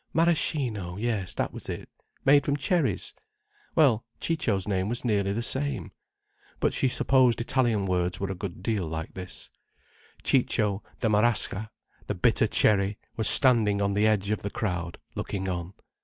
Maraschino! Yes, that was it. Made from cherries. Well, Ciccio's name was nearly the same. Ridiculous! But she supposed Italian words were a good deal alike. Ciccio, the marasca, the bitter cherry, was standing on the edge of the crowd, looking on.